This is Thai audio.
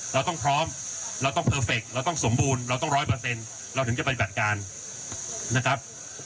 เราต้องพร้อมเราต้องเพอร์เฟคเราต้องสมบูรณ์เราต้องร้อยเปอร์เซ็นต์เราถึงจะปฏิบัติการนะครับ